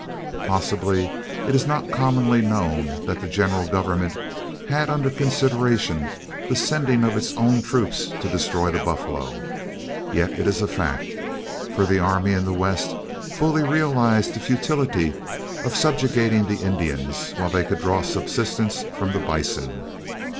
Possibly it is not commonly known that the general government had under consideration the sending of its own troops to destroy the buffalo. Yet it is a fact, for the army in the West fully realized the futility of subjugating the Indians while they could draw subsistence from the bison.